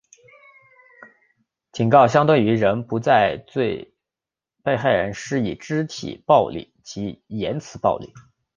警告相对人不得再对被害人施以肢体暴力及言词暴力。